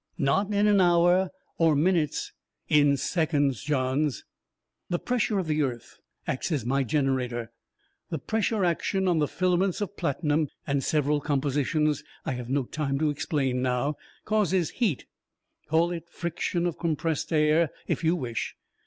Not in an hour, or minutes. In seconds, Johns! "The pressure of the earth acts as my generator. The pressure action on the filaments of platinum, and several compositions I have no time to explain now, causes heat. Call it friction of compressed air, if you wish.